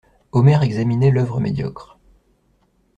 Omer examinait l'œuvre médiocre.